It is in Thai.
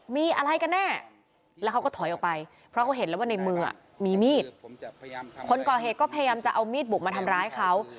มีมีดคนก่อเหตุก็พยายามจะเอามีดบุกมาทำร้ายเขา